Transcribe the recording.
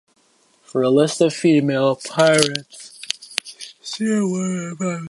For a list of female pirates, see women in piracy.